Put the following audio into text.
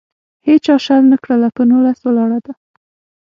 هیچا شل نه کړله. په نولس ولاړه ده.